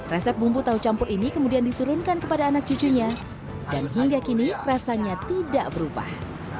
resep bumbu tahu campur ini kemudian diturunkan kepada anak cucunya dan hingga kini rasanya tidak berubah